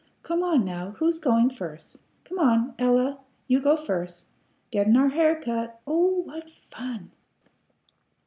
"Come on, now. Who's goin' first? Come on, Ella; you go first. Gettin' our hair cut! Oh what fun!"